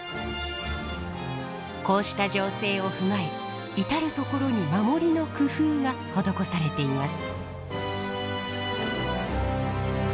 こうした情勢を踏まえ至る所に守りの工夫が施されています。